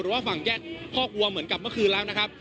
ว่าฝั่งแยกคอกวัวเหมือนกับเมื่อคืนแล้วนะครับ